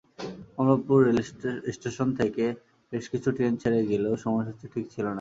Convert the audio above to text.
Kamalapur station থেকে বেশ কিছু ট্রেন ছেড়ে গেলেও সময়সূচি ঠিক ছিল না।